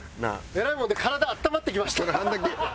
偉いもんで体温まってきました。